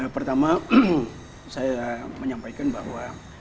pertama saya menyampaikan bahwa